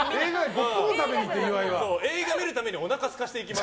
映画見るためにおなかすかせていきます。